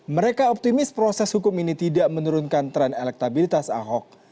mereka optimis proses hukum ini tidak menurunkan tren elektabilitas ahok